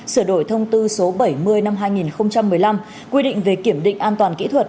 sửa đổi thông tư số bảy mươi năm hai nghìn một mươi năm quy định về kiểm định an toàn kỹ thuật